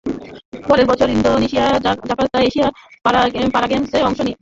পরের বছর ইন্দোনেশিয়ার জাকার্তায় এশিয়ান প্যারা গেমসে অংশ নিয়ে রৌপ্য পদক পান তিনি।